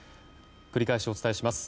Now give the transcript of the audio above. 繰り返しお伝えします。